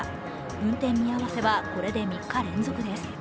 運転見合わせは、これで３日連続です。